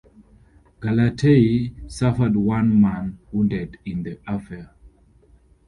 "Galatea" suffered one man wounded in the affair.